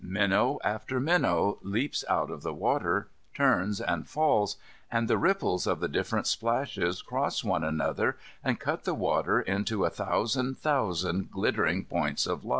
Minnow after minnow leaps out of the water, turns and falls, and the ripples of the different splashes cross one another and cut the water into a thousand thousand glittering points of light.